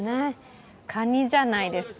カニじゃないですか？